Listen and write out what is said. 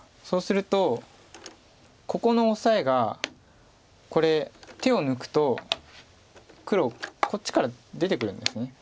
そうするとここのオサエがこれ手を抜くと黒こっちから出てくるんです。